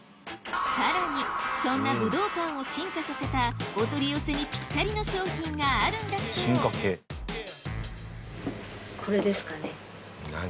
さらにそんなぶどうパンを進化させたお取り寄せにぴったりの商品があるんだそうこれですかね。